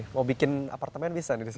mau bikin apartemen bisa nih